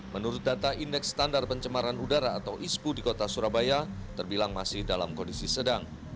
menurut data indeks standar pencemaran udara atau ispu di kota surabaya terbilang masih dalam kondisi sedang